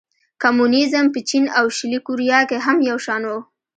کمونېزم په چین او شلي کوریا کې هم یو شان و.